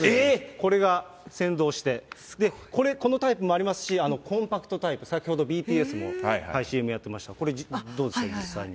これが先導して、これ、このタイプもありますし、コンパクトタイプ、先ほどＢＴＳもＣＭやってました、これ、どうですか、実際に。